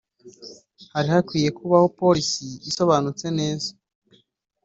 Hari hakwiye kubaho policy isobanutse neza